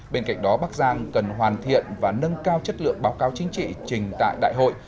bên cạnh đó bắc giang cần hoàn thiện và nâng cao chất lượng báo cáo chính trị trình tại đại hội